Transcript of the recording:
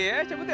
eh cepet ya